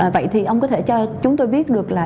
vậy thì ông có thể cho chúng tôi biết được là